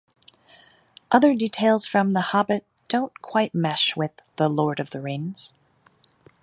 Other details from "The Hobbit" don't quite mesh with "The Lord of the Rings".